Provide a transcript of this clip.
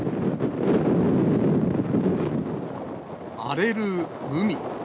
荒れる海。